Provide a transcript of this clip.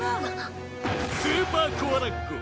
スーパーコアラッコ